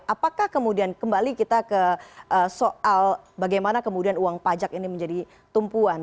apakah kemudian kembali kita ke soal bagaimana kemudian uang pajak ini menjadi tumpuan